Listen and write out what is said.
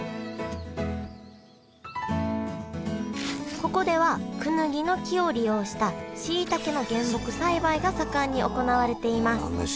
ここではクヌギの木を利用したしいたけの原木栽培が盛んに行われています。